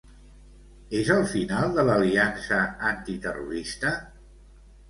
És el final de l'aliança antiterrorista?